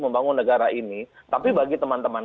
membangun negara ini tapi bagi teman teman